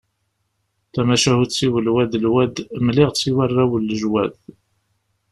Tamacahut-iw lwad lwad mliɣ-tt-id i warraw n lejwad.